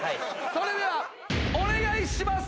それではお願いします。